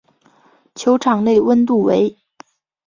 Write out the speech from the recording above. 球场内温度为。